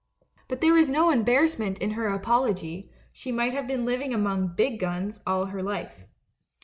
But there was no embarrassment in her apology — she might have been living among 'big guns' all her life.